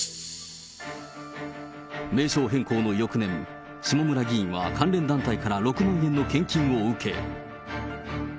名称変更の翌年、下村議員は関連団体から６万円の献金を受け。